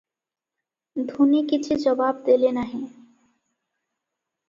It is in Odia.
ଧୂନି କିଛି ଜବାବ ଦେଲେ ନାହିଁ ।